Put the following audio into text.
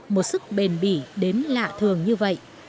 một sức bền bỉ đến lạ thường như vậy